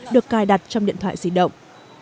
được cài đặt trong điện thoại di động